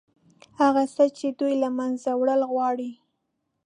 هغه څه چې دوی له منځه وړل غواړي.